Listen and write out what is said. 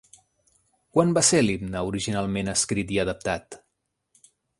Quan va ser l'himne originalment escrit i adaptat?